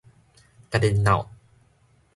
家己喃